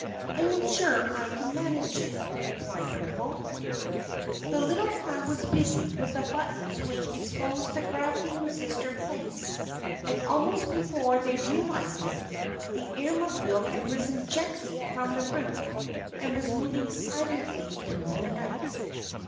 I am sure I can manage it," replied Twiffle. The little clown was busy with the buttons which exposed the gravity resistor plates, and almost before they realized it, the Airmobile had risen gently from the roof and was moving silently through the night.